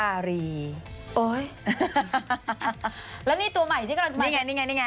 อารีโอ้ยแล้วนี่ตัวใหม่ที่กำลังจะ